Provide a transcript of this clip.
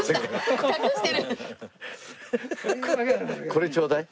これちょうだい。